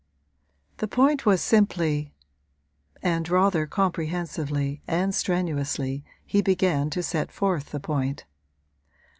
The point was simply and rather comprehensively and strenuously he began to set forth the point.